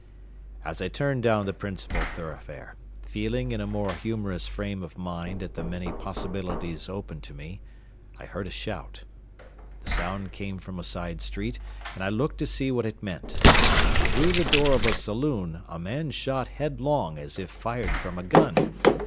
As I turned down the principal thoroughfare, feeling in a more humorous frame of mind at the many possibilities open to me, I heard a shout. The sound came from a side street, and I looked to see what it meant. Through the door of a saloon a man shot head long as if fired from a gun.